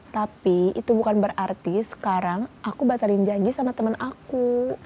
tapi itu bukan berarti sekarang aku batalin janji sama teman aku